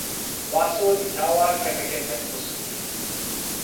waso li tawa kepeken tenpo suli.